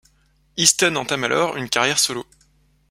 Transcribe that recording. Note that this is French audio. Easton entame alors une carrière solo.